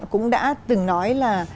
cũng đã từng nói là